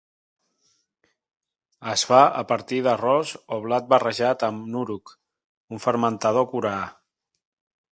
Es fa a partir d'arròs o blat barrejat amb "nuruk", un fermentador coreà.